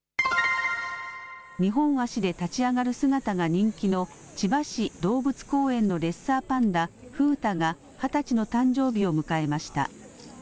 ２本足で立ち上がる姿が人気の、千葉市動物公園のレッサーパンダ、風太が、２０歳の誕生日を迎えました。